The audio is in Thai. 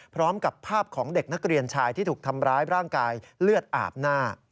พร้อมกับภาพของเด็กนักเรียนชายที่ถูกทำร้ายร่างกายเลือดอาบหน้า